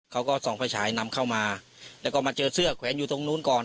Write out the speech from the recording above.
เขาก็ส่องไฟฉายนำเข้ามาแล้วก็มาเจอเสื้อแขวนอยู่ตรงนู้นก่อน